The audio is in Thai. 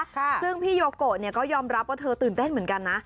ซึ่งพี่โยโกะเนี่ยก็ยอมรับว่าเธอตื่นเต้นเหมือนกันนะ